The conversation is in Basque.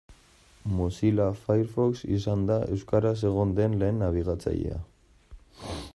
Mozilla Firefox izan da euskaraz egon den lehen nabigatzailea.